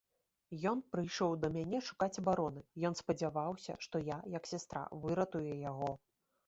Ён прыйшоў да мяне шукаць абароны, ён спадзяваўся, што я, як сястра, выратую яго.